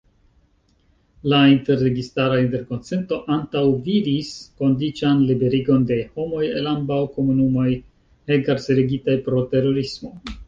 La interregistara interkonsento antaŭvidis kondiĉan liberigon de homoj el ambaŭ komunumoj enkarcerigitaj pro terorismo.